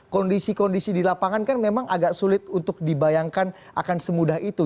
kondisi kondisi di lapangan kan memang agak sulit untuk dibayangkan akan semudah itu